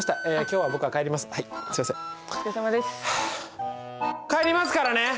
はあ帰りますからね！